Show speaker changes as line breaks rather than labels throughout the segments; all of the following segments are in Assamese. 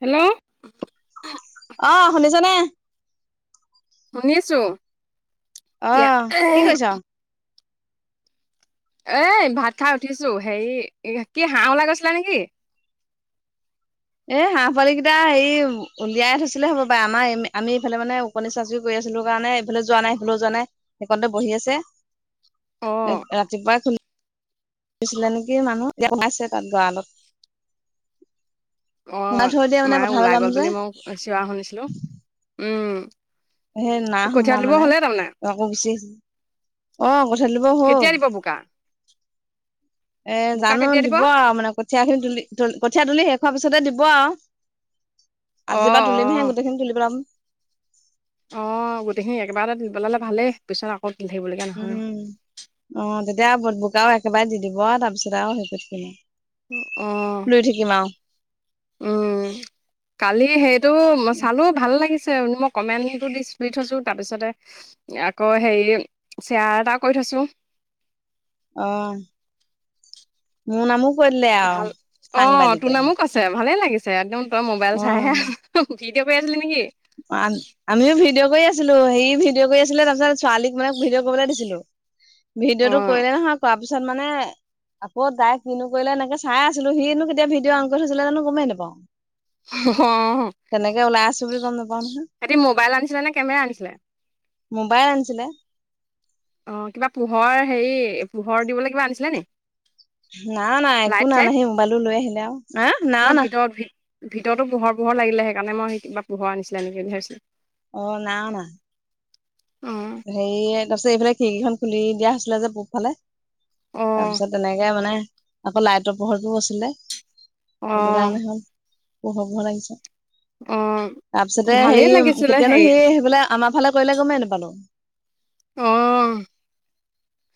হেল্ল।
অ শুনিছে নে?
শুনিছো
অ কি কৰিছ
[unintelligible] এই ভাত খাই উঠিছো হেৰি কি হাঁহ ওলাই গৈছিলা নেকি?
এই হাঁহ পোৱালি কেইটা হেৰি উলিয়াই থৈছিলে হ'ব পাৰে আমাৰ আমি এইফালে মানে [unintelligible] কৰি আছিলো কাৰণে এইফালে যোৱা নাই সেইফালও যোৱা নাই সেইকণতে বহি আছে।
অ
এহ ৰাতিপুৱাই গৈছিলে নেকি মানুহ। [unintelligible] তাত গড়ালত।
অ
সোমাই থৈ দিয়ে মানে
মায়
পথাৰলৈ
ওলাই
যাম
গ'ল
যে
বুলি মই চিঞৰা শুনিছিলো। উম।
সেই নাই
কঠীয়া
সোমোৱা
তুলিব
মানে,
হ'লে তাৰমানে
আকৌ গুছি অ কঠীয়া তুলিবৰ
কেতিয়া
হ'ল।
দিব বোকা
এ
বোকা
জানো
কেতিয়া
দিব আৰু মানে ক কঠীয়াখিনি তুলি তু কঠীয়া তুলি শেষ হোৱাৰ পিছতে দিব আৰু।
অ অ
আজিৰপৰা তুলিমহে গোটেইখিনি তুলি পেলাম।
অঁ' গোটেইখিনি একেবাৰতে তুলি পেলালে ভালেই পিছত আকৌ তুলি থাকিবলগীয়া নহয়।
অঁ, তেতিয়া আৰু বট বুকাও একেবাৰে দি দিব ইও তাপিছত আৰু হেই কৰি থাকি নাই-
অঁ'
লৈ থাকিম আও।
উম' কালি হেইটো চালোঁ ভাল লাগিছে মই কমেণ্টো দি থৈছোঁ, তাপিছতে- আকৌ হেৰি শ্বেয়াৰ এটা কৰি থৈছোঁ।
অঁ', মো নামো কৈ দিলে আও সংবাদিকে।
ছে ভালে লাগিছে একদম তই মোবাইল চাইহে আ ভিডিঅ' কৰি আছিলি নেকি?
পান। আমিও ভিডিঅ' কৰি আছিলো হেৰী ভিডিঅ' কৰি আছিলে তাৰপিছত ছোৱালিক মানে ভিডিঅ' কৰিবলে দিছিলো।
অ
ভিডিঅ'টো কৰিলে নহয় কৱা পিছত মানে- আকৌ তাই কিনো কৰিলে এনেকে চাই আছিলো সিনো কেতিয়া ভিডিঅ অন কৰি থৈছিলে জানো গমে নাপাওঁ।
হ হ অঁহ।
তেনেকে ওলাই আছোঁ বুলি গম নাপা-
হেঁতি মোবাইল আনিছিলে নে কেমেৰা আনিছিলে?
মোবাইল আনিছিলে।
অ' কিবা পোহৰ হেৰি পোহৰ দিবলে কিবা আনিছিলে নি?
না অনা একো
লাইট
না অনা
চাইট
সি মোবাইলটো লৈ আহিলে আও।
ন ভিতৰত ভিত ভিতৰটো পোহৰ পোহৰ লাগিলে সেইকাৰণে মই কিবা পোহৰ আনিছিলে নেকি বুলি ভাবিছিলোঁ।
অ' নাই অনা।
অ
হেৰিয়ে তাপিছত এইফালে খিৰিকিখন খুলি দিয়া হৈছিলে যে পূৱফালে।
অ
তাপিছত তেনেকে মানে আকৌ লাইটৰ পোহৰিটোও আছিলে।
অ
সেইটো কাৰণে হ'ল পোহৰ পোহৰ লাগিছে।
অ
তাপিছতে
ভালেই
হেৰি
লাগিছিলে হেৰি
কেতিয়ানো সি সেই বোলে আমাৰ ফালে কৰিলে গমেই নেপালোঁ।
উম,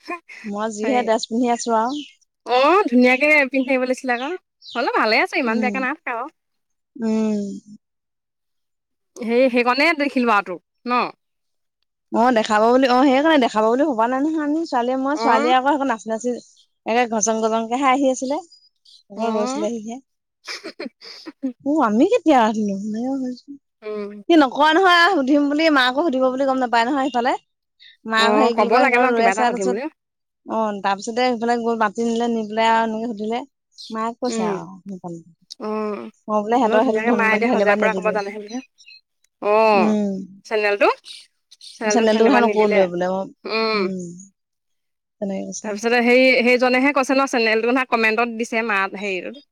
হু'।
মই যিহে ড্ৰেছ পিন্ধি আছো আও।
অঁ, ধুনীয়াকে পিন্ধি থাকিব লাগিছিলে আকৌ হ'লো ভালে আছে ইমান
উম
বেয়াকে নাই থকা বাৰু।
উম'
সেই সেইকণেই দেখিলোঁ আও তোক ন'।
অঁ' দেখাব বুলি অঁ' সেইকাৰণে দেখাব বুলি ভবা নাই নহয় আমি ছোৱালীয়ে মই
অ
ছোৱালীয়ে আক একো নাছ- নাছি এনেই ঘছং গজংকেহে আহি আছিলে। আকৌ
অঁ'
অও' আমি কেতিয়া আহিলো সেনেকেহে ভাবিছো,
উম
সি নকৱা নহয় আ- সুধিম বুলি মাকো সুধিব বুলি গম নাপায় নহয় সিফালে মাক
অ'
হেৰি কি
ক'ব
বুলি কয়
লাগে ন
সেইখনত ৰৈ
কিবা এটা
আছে
সুধিম
তাপিছত,
বুলি
- অঁ তাৰপিছতে সেইফালে গৈ মাতি নিলে নি পেলাই আও এনেকে সুধিলে মায়ে কৈছে
উম
আও। সেইখন
অ'
মই বোলে
হ'লেও
হেতৰ সেতোক
ধুনীয়াকে মায়ে এতিয়া সজাই
ধন্যবাদ
পৰা ক'ব
নিদিলোৱে।
জানে বুলিহে অ'
উম'
চেনেলটো। চেনেলটোক
চেনেলটোৰ কথা
ধন্যবাদ নিদিলে।
নকলোৱে বোলে মই
উম'
তেনেকে কৈছে। অ',
তাপিছত, ত হেৰি সেইজনেহে কৈছে ন চেনেলটো না কমেণ্টত দিছে মা হেৰিটো-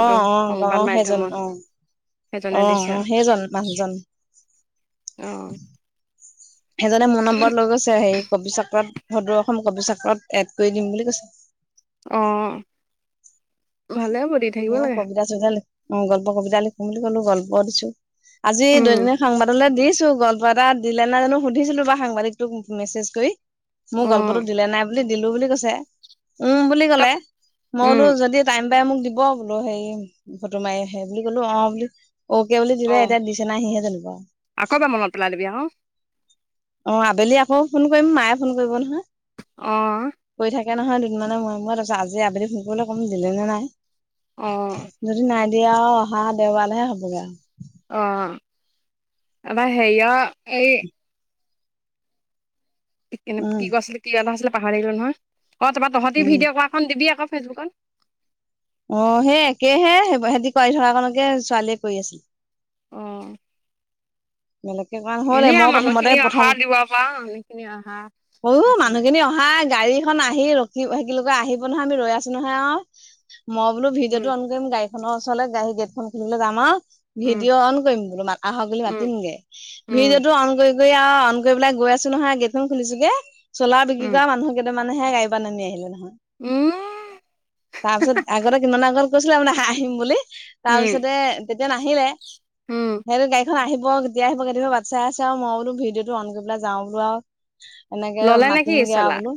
অঁ অঁ অঁ সেইজন
মাধ্যমত
অঁ
সেইজনে
অঁ
দিছে
অঁ সেইজন মানুহজন।
অঁ'
সেজনে মোৰ নম্বৰত লৈ গৈছে সেই কবি চক্ৰত সদৌ অসম কবি চক্ৰত এড কৰি দিম বুলি কৈছে।
অঁ'।
মই
লাগে
কবিতা চবিতা লিখ, অ' গল্প কবিতা লিখোঁ বুলি ক'লো, গল্প দিছোঁ। আজি
উম
দৈনিক সাংবাদলৈ দিছোঁ গল কিবা এটা দিলে নাই জানো সুধিছিলো বা সাংবাদিকটোক মেছেজ কৰি, মোৰ গল্পতো
অ'
দিলে নাই। বুলি দিলোঁ বুলি কৈছে, উম, বুলি
তক
ক'লে। মই
উম
বোলো যদি বাই মোক দিব বোলো হেৰি ফটো মাৰি সেই বুলি ক'লো, অ' বুলি অকে বুলি দিলে,
অ'
এতিয়া দিছে নাই সিহে জানিব।
আকৌ এবাৰ মনত পেলাই দিবি অ'।
অ' আবেলি আকৌ ফোন কৰিম, মায়ে ফোন কৰিব নহয়।
অ'।
কৰি থাকে নহয় দুদিনমানৰ মূৰে মূৰে, তাৰপিছত আজি আবেলি ফোন কৰিবলে ক'ম দিলে নে নাই।
অ'।
যদি নাই দিয়ে আৰু অহা দেওবাৰেহে হ'বগে আৰু।
অ' আমাৰ হেয়া এই [unintelligible]
উম
কি কৈ আছিলে কি কথা আছিলে পাহাৰি থাকিলোঁ নহয়। অ' তাৰপা তহঁতি
উম
ভিডিঅ' কৰাখন দিবি আকৌ ফেচবুকত।
অ' সেই একেইহে, সিহঁতি কৰি থকা কাৰণকে ছোৱালীয়ে কৰি আছিল।
অ'।
বেলেগকে কৰা নহ'লে,
এনেই আৰু
মই প্ৰথমতে
মানুহখিনি অহা
প্ৰথম
দিব পৰা মানুহখিনি অহা
[unintelligible]
পাছতে
মানুহখিনি অহা অহা গাড়ীখন আহি ৰখিব [unintelligible] আহিব নহয়, আমি ৰৈ আছোঁ নহয় আ। মই বোলো
উম
ভিডিঅ'টো অন কৰিম গাড়ীখনৰ ওচৰলৈ, গাড়ী গেটখন খুলিল যাম আৰু
উম
ভিডিঅ' অন কৰিম বোলো মাক আহক বুলি মাত
উম
দিমগে।
উম
ভিডিঅ'টো অন কৰি কৰি আৰু অন কৰি পেলাই গৈ আছোঁ নহয়, গেটখন খুলিছোগে চ'লাৰ বিক্ৰী
উম
কৰা মানুহ কেইটামানে গাড়ীৰ পৰা নামি আহিলে নহয়।
উম
তাৰপিছত আগতে কিমাননা আগত কৈছিলে মানে আহিম বুলি,
উম
তাৰপিছতে তেতিয়া নাহিলে,
উম
সিহঁতে গাড়ীখন আহি ব কেতিয়া আহিব কেতিাবা বাটচাই আছে, মই বোলো ভিডিঅ'টো অন কৰি পেলাই যাওঁ বোলো আৰু। এনেকে
ললে নেকি
মাতিমগে আৰু
চলাৰ
বোলো।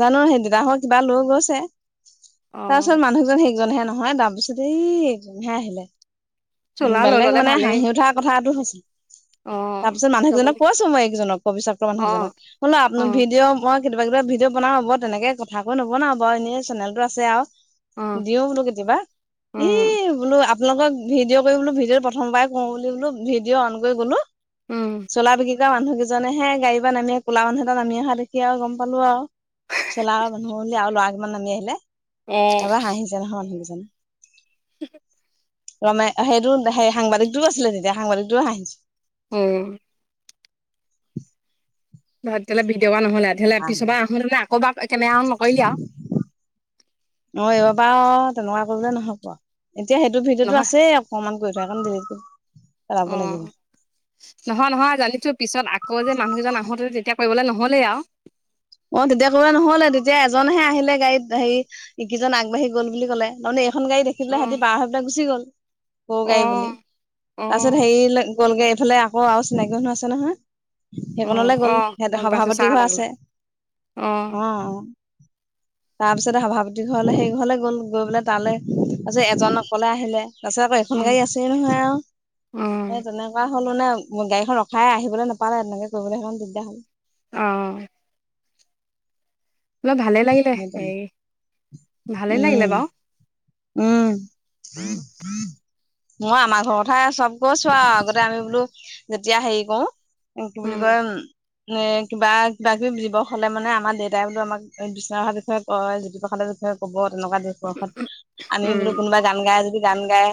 জানো সেই দেউতাহঁত কিবা লৈ গৈছে,
অ
তাৰপিছত মানুহজন এজনহে নহয় তাৰপিছতে এই এজনহে আহিলে,
চলাৰ লৈ
বেলেগ
ললে
মানে
ভালেই
থা কথাটো হৈছিল।
অ
তাৰপিছত মানুহকজনক
জমনি
কৈছোঁ মই এইেইজনক কবিচক্ৰ
অ
মানুহজনক, [unintelligible]
অ অ
আপোনা ভিডিঅ' মই কেতিয়াবা কেতিয়াবা ভিডিঅ' বনাও, হ'ব তেনেকে কথা কৈ নবনাও বাৰু, এনেই চেনেলটো আছে আৰু। দিও বোলো কেতিয়াবা, ই,
উম
বোলো আপোনালোকক ভিডিঅ' কৰিম বোলো ভিডিঅ' প্ৰথমৰৰ পৰাই কৰোঁ বুলি বোলো ভিডিঅ' অন কৰি গ'লো
উম
চ'লাৰ বিক্ৰী [unintelligible] মানুহ কেইজনেহে গাড়ীৰ পৰা নামি আহি ক'লা মানুহ এটা নামি অহা দেখি আৰু গম পালোঁ আৰু। চ'লাৰৰ মানুহ বুলি আৰু ল'ৰা কেইটামান নামি আহিলে,
অ
তাৰপা হাঁহিছে নহয় মানুহকেইজনে।
[inaudible]
ৰমে সেইটো সেই সাংবাদিকটোও আছিলে তেতিয়া, সাংবাদিকটোও হাঁহিছে।
অ'। তেতিয়াহ'লে ভিডিঅ' কৰা নহ'লে,
কথা
পিছৰবাৰ আহোনে আকৌ কেমেৰা অন নকৰিলি আৰু।
অ' এইবাৰ তেনেকুৱা কৰিলে নহ'ব। এতিয়া সেইটো ভিডিঅ'তটো
নহয়
আছে অকমান কৈ থোৱা কাৰণে ডিলিট কৰি পেলাব লাগিব
অ'। নহয় নহয় জানিছোঁ পিছত আকৌ যে মানুহকেইজন আহোঁতে তেতিয়া কৰিবলৈ নহ'লেই আৰু।
অ, তেতিয়া ক'লে নহ'লে, তেতিয়া এজনহে আহিলে গাড়ীত, হেৰি ইকিজন আগবাঢ়ি গ'ল বুলি ক'লে। তাৰমানে এইখন গাড়ী দেখি পেলাই সিহঁতি পাৰ হৈ পেলাই গুচি গল সৰু
অ
গাড়ী বুলি।
অ অ
তাৰপিছত হেৰি গলগৈ এইফালে আকৌ আৰু চিনাকি মানুহ আছে নহয়।
অ
সেইকনলে
অ
গ'ল সেয়াত
গম পাইছো চাহ
সভাপতি ঘৰ
এটা খালা
আছে।
অ
অঁ।
[inaudible]
তাৰপিছতে সভাপতি ঘৰলে সেই ঘৰলৈ গ'ল, গৈ পেলাই তালৈ তাৰপাছত এজন অকলে আহিলে। তাৰপিছত আকৌ এখন
উম
গাড়ী আছেই নহয় আৰু।
উম
সে তেনেকুৱা হ'ল মানে গাড়ীখন ৰখাই আহিবলৈ নাপালে তেনেকে কৰিবলৈ সেইকাৰণে দিগদাৰ হ'ল।
অ'। অলপ ভালেই লাগিলে সেই, ভালেই লাগিলে
উম
বাৰু।
উম
উম
মই আমাৰ ঘৰৰ কথাই চব গৈছো আৰু আগতে আমি বোলো যেতিয়া হেৰি কৰো কি বুলি কয় উম এ কিবা কিবা কিবি দিৱস হ'লে মানে আমাৰ দেউতাই বোলো আমাক বিষ্ণু ৰাভা বিষয়ে কয় জ্যোতিপ্ৰসাদৰ বিষয়ে ক'ব তেনেকুৱা দিৱসত। আনি বোলো কোনোবা গান গাই যদি গান গায়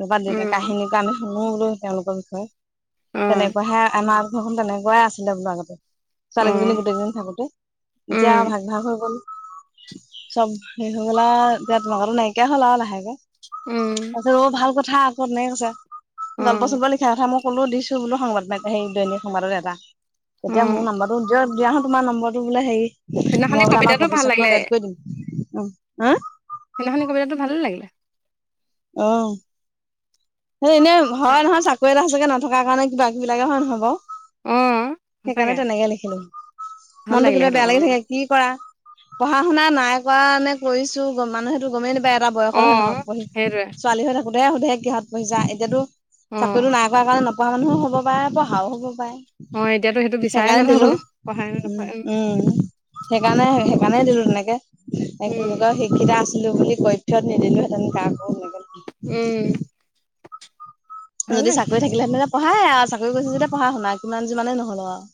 এনেকুৱা
উম
দেউতা
উম
কাহিনীটো আমি শুনো বোলো তেওঁলোকৰ
অ
বিষয়ে তেনেকুৱা হে আমাৰ ঘৰখন তেনেকুৱাই আছিলে বোলো আগতে।
অ
ছোৱালীকেইজনী গোটেইকেইজনী থাকোতে এতিয়া
উম
ভাগ, ভাগ হৈ গ'ল। চব শেষ হৈ গল আৰু এতিয়া মানুহ নাইকিয়া হৈ হল আৰু লাহেকে।
উম।
সেইবোৰ ভাল কথা আক' তেনেকে কৈছে।
অ
গল্প চল্প লিখা কথা মই ক'লো দি ছো বোলো সংবাদ সেই দৈনিক সংবাদত এটা।
অ
তেতিয়া মোৰ নম্বৰটো দিয়া হো তোমাৰ নম্বৰটো বোলে হেৰি।
সেইদিনাখনি
মই বোলে আমাক
কবিতাটো ভাল লাগিলে
ভবিষতটো এড কৰি দিম উম। হা?
সেইদিনাখন কবিতাটো ভালেই লাগিল।
অঁ। সেই এনেই হয় নহয় চাকৰি এটা সঁচাকে নথকাৰ কাৰণে কিবা কিবি লাগে হয় নহয় বাৰু?
অ সঁচাকে
সেইকাৰণে তেনেকে লিখিলো,
ভাল
মনটো
লাগিলে
কেতিয়াবা
সেইটো
বেয়া লাগি
উম
থাকে। কি কৰা, পঢ়া শুনা নাই কৰা নে কৰিছো মানুহেতটো গমেই নাপায়। এটা
অ
বয়সলৈকে হে নহয় পঢ়িম,
সেইটোৱে
ছোৱালী হৈ থাকোতেহে সুধে কিহত পঢ়িছা এতিয়াতো
অ
চাকৰিটো নাই কৰা কাৰণে নপঢ়া মানুহও হ'ব পাৰে পঢ়াও হ'ব পাৰে।
অ এতিয়াতো সেইটো বিচাৰে
সেইকাৰণে
নালাগব
দিলো।
ন পঢ়াই নপঢ়াই
উম। সেইকাৰণে সেইকাৰণে দিলো তেনেকে এ কি বুলি
উম
কয় শিক্ষিতা আছিলো বুলি কক্ষত নিদিলো হেঁতেন কাকো
উম। ভাল
যদি
লাগিছিলে
চাকৰি থাকিলে হেঁতেন পঢ়াই আৰু চাকৰি কৰিছে যদি পঢ়া শুনা কিমান যি মানেই নহ'লো আৰু।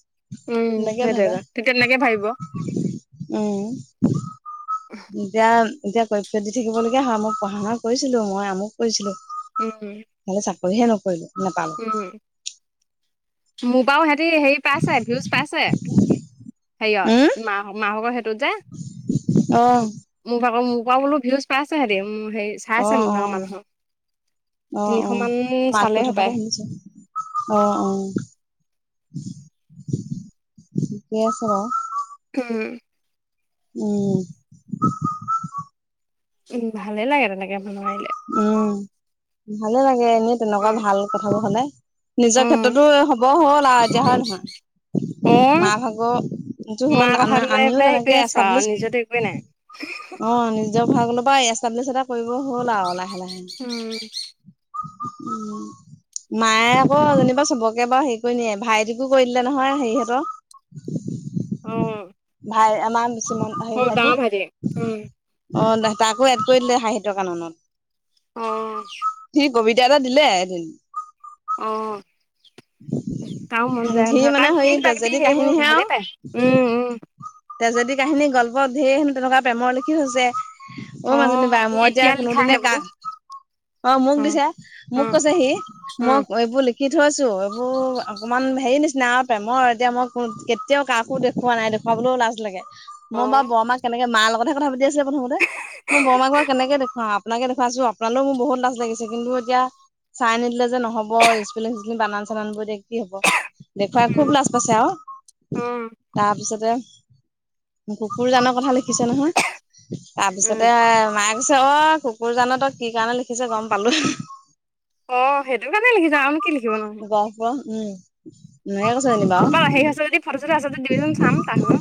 উম
এনেকে
সেইটোৱে
ভাবে,
ক তেতিয়া তেনেকে ভাবিব
উম। এতিয়া এতিয়া কক্ষ দি থাকিব লগা হয়, মই পঢ়া শুনা কৰিছিলো মই আমুক কৰিছিলো।
উম।
নহলে চাকৰিহে নকৰিলো নাপালো।
উম মোৰ পৰাও সিহঁতি হেৰি পাইছে ভিউজ পাইছে। হেৰিয়ত মাঁ মাঁ ভাগৰ সেইটোত যে।
অঁ।
মোৰ ভাগৰ মোৰ পৰা বোলো ভিউজ পাইছে হেঁতি উম হেৰি চাইছে
অ',
মোৰভাগৰ
অ',
মানুহে
অ', অ'।
তিনিশমান
মাত
চালেই সপাই।
[inaudible] অ অ ঠিকে আছে বাৰু।
হম
উম
উম ভালে লাগে তেনেকে বনোই দিলে।
উম ভালে লাগে এনেই তেনেকুৱা ভাল কথাবোৰ হ'লে।
অ
নিজৰ ক্ষেত্ৰতো হব হ'ল আও এতিয়া হয় নহয়
অ
মা ভাগ সেইটো হ'ল
মাৰ
আনা আনিও তেনেকে এষ্টাব্লিছ।
হয় নাই।
অঁ, নিজৰ ভাগলৈ পৰা এষ্টাব্লিছ এটা কৰিব হ'ল আও লাহে লাহে,।
উম
উম মায়ে আকৌ যেনিবা চবকে বাৰু হেৰি কৰি নিয়ে ভাইটিকো কৰি দিলে নহয় হেৰিহঁতৰ। [unintelligible]
উম
ভাই আমাৰ বেছি মন আহি ভাইটি।
উম
অহ তাকো এড কৰি দিলে সাহিত্যৰ কাননত।
অঁ।
সি কবিতা এটা দিলে।
অহ তাৰো মন
উম
যায় নহয়
মানে
তাক সি
সেই
কিবা কিবি
ট্ৰেজেডি
সেইবোৰ
কাহিনীহে
ভালে পায়। উম উম।
তেজেদি কাহিনী গল্প ধেৰ হে তেনেকুৱা প্ৰেমৰ লিখি থৈছে। অ মাজনী বা
সি
মই এতিয়া কোনো
লিখা
দিনে কা
সেইবোৰ
অ মোক দিছে মোক
উম,
কৈছে সি মোক
উম,
এইবোৰ লি লিখি থৈছোঁ এইবোৰ অকণমান হেৰি নিচিনা আও প্ৰেমৰ এতিয়া মই কেতিয়াও কাকো দেখুওৱা নাই দেখোঁ দেখুৱাবলৈ লাজ লাগে মই বা
অ',
বৰ মাক কেনেকে মা লগতে কথাাতি আছিলে প্ৰথমতে মই বৰমাক কেনেকে দেখুৱাওঁ আপোনাকে দেখুৱাইছো আপোনালৈ মোৰ বহুত লাজ লাগিছিল কিন্তু এতিয়া। চাই নিদিলে যে নহব ইস্কলে [unintelligible] বানান চান ব এতিয়া কি হব দেখুৱাই খুব
উম,
লাজ পাইছে আও
উম,
তাৰপিছততে কুকুৰজানৰ কথা লিখিছে নহয় তাৰপিছতে
উম,
অও মায়ে পিছে অ কুকুৰ জান তই কি কাৰণে লিখিছে গম পালো।
অহ সেইটো কাৰণে লিখি যাম কি লিখিব নো।
কোৱা উম একে কৈছে যেনেবাও।
ক'ৰবাত হেৰি আছে যদি ফটো চটো আছে যদি দিবিচোন চাম তাৰ ভাগৰ।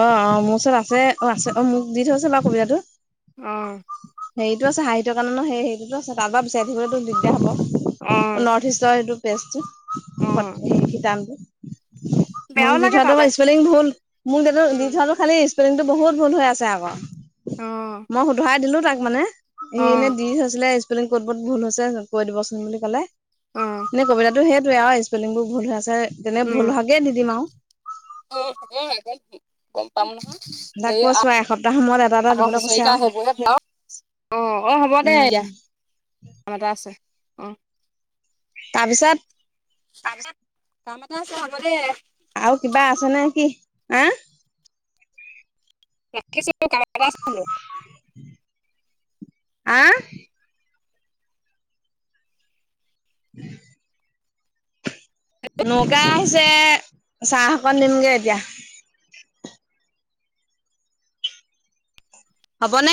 অ অ মোৰ ওচৰত আছে অ আছে অ মোক দি থৈছে বাৰু কবিতাটো
অহ।
হেৰিতটো আছে সাহিত্য কাৰণে ন সেই সে হেতো তাপা পৰা বিচাৰ থাকিবলেতো দিগদাৰ হ'ব।
অহ
নৰ্থ ইষ্টৰ এইটো পেজটো
অ',
পত ৰিটান মোক
বেয়াও
দি
লাগে
থোৱাটো
তালে
ইস্পলিং ভুল মোক দে দি
উম,
থোৱা। খালি ইস্পলিং টো বহুত ভুল হৈ আছে আকৌ
অ',
মই শুধৰাই দিলো তাক মানে। সি এনে
অ',
দি থৈছিলে ইস্পলিং ক'ত কত ভুল হৈছে কৈ দিবচোন বুলি ক'লে।
অ',
নে কবিতাটো সেইটোৱে আৰু ইস্পলিং বোৰ ভুল হৈ আছে তেনে ভুল হোৱাকে দি দিম আও
উম উম। গম পাম
তাক
সেই আ
কৈছো আৰু এসপ্তাহ মূৰত এটা এটা
আৰু
দিবলৈ
হুঁচৰি
কৈছে
এটা
আৰু
আহে যে বাও।
উম
আন এটা আছে অ',
তাৰপিছত
তাৰ পিছত কাম এটা চাব দে।
আৰু কিবা আছে নে কি এ
[unintelligible] ৰাখিছোঁ।
আ নগা আছে। চাহ অকণ নিমগে এতিয়া হ'ব নে।